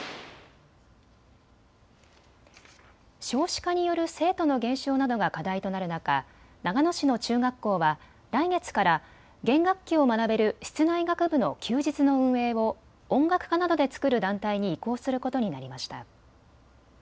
少子化による生徒の減少などが課題となる中、長野市の中学校は来月から弦楽器を学べる室内楽部の休日の運営を音楽家などで作る団体に移行することになりました。